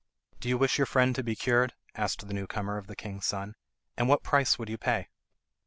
"Do you wish your friend to be cured?" asked the new comer of the king's son. "And what price would you pay?"